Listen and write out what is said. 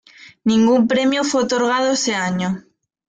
Ningún premio fue otorgado ese año.